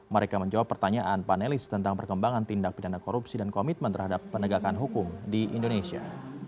mereka menjawab pertanyaan panelis tentang perkembangan tindak pidana korupsi dan komitmen terhadap penegakan hukum di indonesia